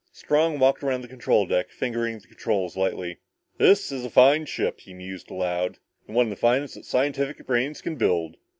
Strong walked around the control deck, fingering the controls lightly. "This is a fine ship," he mused aloud. "One of the finest that scientific brains can build.